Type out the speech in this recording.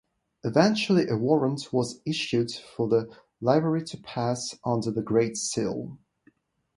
Eventually a warrant was issued for the livery to pass under the Great Seal.